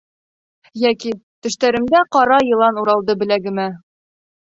Йәки: Төштәремдә ҡара йылан Уралды беләгемә.